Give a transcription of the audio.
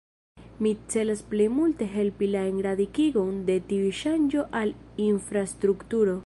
Mi celas plej multe helpi la enradikigon de tiu ŝanĝo al infrastrukturo.